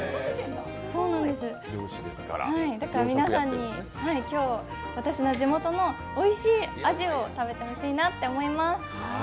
だから、皆さんに今日私の地元のおいしいあじを食べてほしいなって思います。